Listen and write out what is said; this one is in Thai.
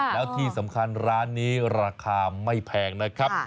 แล้วที่สำคัญร้านนี้ราคาไม่แพงนะครับ